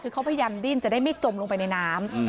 คือเขาพยายามดิ้นจะได้ไม่จมลงไปในน้ำ